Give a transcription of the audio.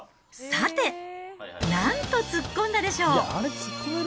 さて、なんと突っ込んだでしょう？